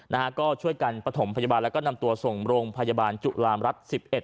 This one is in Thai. นะฮะก็ช่วยกันประถมพยาบาลแล้วก็นำตัวส่งโรงพยาบาลจุลามรัฐสิบเอ็ด